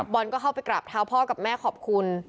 บอลก็เข้าไปกราบเท้าพ่อกับแม่ขอบคุณ